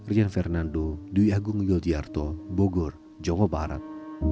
rian fernando duyagung yul tjarto bogor jawa barat